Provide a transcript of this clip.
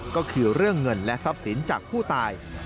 ก็คือเรื่องเงินและทรัพย์สินจากผู้ตาย